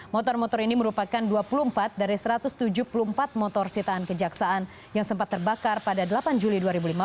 motor motor ini merupakan dua puluh empat dari satu ratus tujuh puluh empat motor sitaan kejaksaan yang sempat terbakar pada delapan juli dua ribu lima belas